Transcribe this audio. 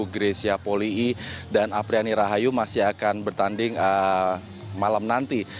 gresia poli i dan apriani rahayu masih akan bertanding malam nanti